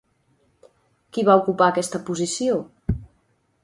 Qui va ocupar aquesta posició?